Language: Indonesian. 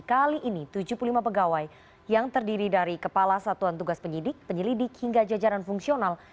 kali ini tujuh puluh lima pegawai yang terdiri dari kepala satuan tugas penyidik penyelidik hingga jajaran fungsional